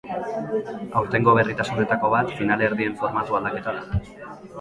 Aurtengo berritasunetako bat finalerdien formatu aldaketa da.